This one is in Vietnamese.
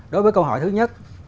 đối với câu hỏi thứ nhất